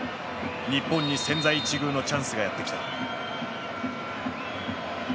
日本に千載一遇のチャンスがやって来た。